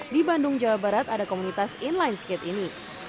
di bandung jawa barat ada komunitas inline skate ini